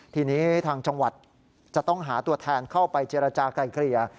ทีนี้ทางจังหวัดจะต้องหาตัวแทนเข้าไปเจรจากลายเกลี่ย